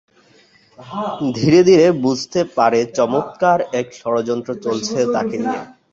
ধীরে ধীরে বুঝতে পারে চমৎকার এক ষড়যন্ত্র চলছে তাকে নিয়ে।